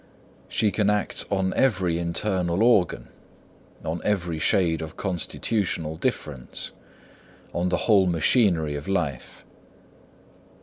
She can act on every internal organ, on every shade of constitutional difference, on the whole machinery of life.